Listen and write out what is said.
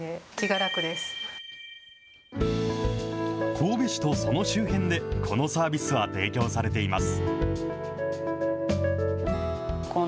神戸市とその周辺で、このサービスは提供されています。